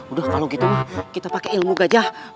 udah kalo gitu kita pake ilmu gajah